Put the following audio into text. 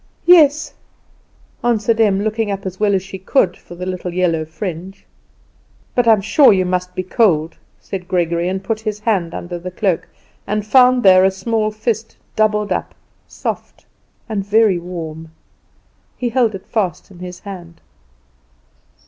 "Yes," answered Em, looking up as well as she could for the little yellow fringe. "But I'm sure you must be cold," said Gregory, and put his hand under the cloak, and found there a small fist doubled up, soft, and very warm. He held it fast in his hand.